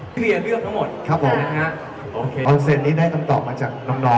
พี่เวียเลือกทั้งหมดครับผมตอนเสร็จนี้ได้ตำตอบมาจากน้องครับ